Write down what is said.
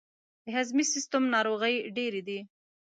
د هضمي سیستم ناروغۍ ډیرې دي.